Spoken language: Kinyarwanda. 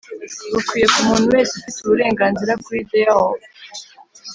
bukwiye ku muntu wese ufite uburenganzira kuri thereof